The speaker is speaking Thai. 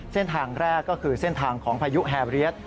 เส้นทางแรกก็คือเส้นทางของพายุแฮเรียส